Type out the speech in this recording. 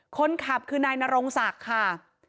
คนขับคือนายนรงศักดิ์ค่ะ